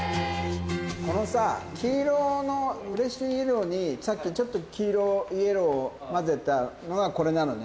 このさあ、黄色のフレッシュイエローに、さっきちょっと黄色、イエローを混ぜたのがこれなのね。